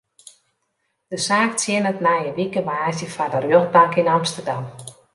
De saak tsjinnet nije wike woansdei foar de rjochtbank yn Amsterdam.